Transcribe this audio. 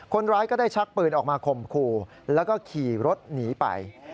คนร้ายก็ได้ชักปืนออกมาข่มขู่แล้วก็ขี่รถหนีไป